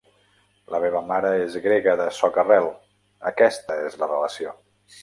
La meva mare és grega de soca-rel, aquesta és la relació.